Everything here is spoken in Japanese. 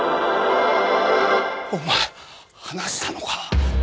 お前話したのか？